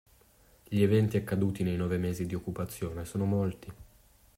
Gli eventi accaduti nei nove mesi di occupazione sono molti.